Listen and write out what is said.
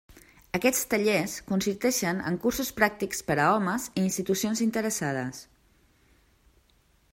Aquests tallers consisteixen en cursos pràctics per a homes i institucions interessades.